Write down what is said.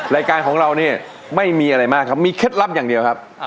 รายการของเราเนี่ยไม่มีอะไรมากครับมีเคล็ดลับอย่างเดียวครับ